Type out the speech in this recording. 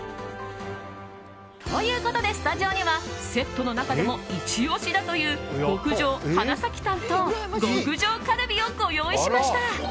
ということで、スタジオにはセットの中でもイチ押しだという極上花咲タンと極上カルビをご用意しました。